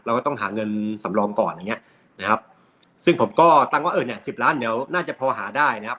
ก็ต้องหาเงินสำรองก่อนอย่างเงี้ยนะครับซึ่งผมก็ตั้งว่าเออเนี่ยสิบล้านเดี๋ยวน่าจะพอหาได้นะครับ